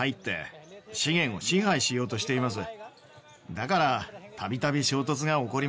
だから。